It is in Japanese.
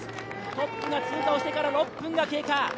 トップが通過してから６分が経過。